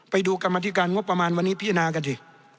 ไปดูกรรมธิการงบประมาณวันนี้พิจารณากันสิ